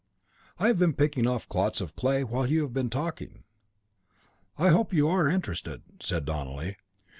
"I have been picking off clots of clay while you have been talking." "I hope you are interested," said Donelly.